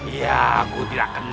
ya aku tidak kenal